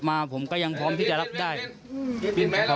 เราพยายามประทับกรรมความรักมาตลอดนะฮะ